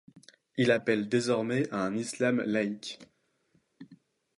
Il appelle désormais à un Islam laïque.